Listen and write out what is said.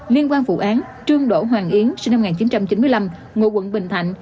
liên quan vụ án trương đỗ hoàng yến sinh năm một nghìn chín trăm chín mươi năm ngụ quận bình thạnh